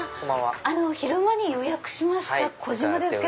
昼間に予約しました小島です。